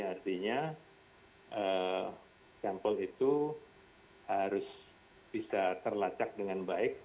artinya sampel itu harus bisa terlacak dengan baik